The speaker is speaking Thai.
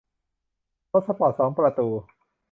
รถสปอร์ตสองประตู